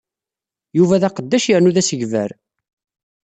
Yuba d aqeddac yernu d asegbar.